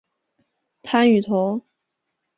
潘雨桐。